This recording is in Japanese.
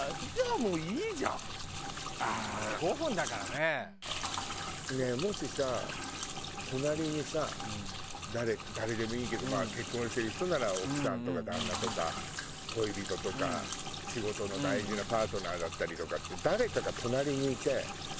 ねえもしさ隣にさ誰でもいいけどまあ結婚してる人なら奥さんとか旦那とか恋人とか仕事の大事なパートナーだったりとかって。